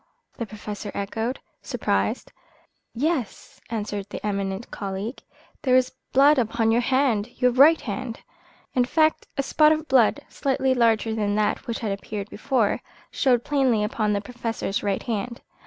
the Professor echoed, surprised. "Yes," answered the eminent colleague, "there is blood upon your hand your right hand." In fact a spot of blood, slightly larger than that which had appeared before, showed plainly upon the Professor's right hand.